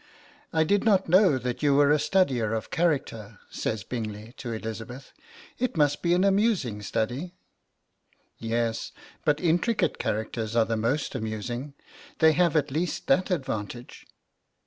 'I did not know that you were a studier of character,' says Bingley to Elizabeth. 'It must be an amusing study.' 'Yes, but intricate characters are the most amusing. They have at least that advantage.'